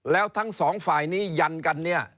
แล้วทั้ง๒ฝ่ายนี้ยันกัน